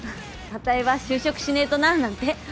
あたいは就職しねえとななんて。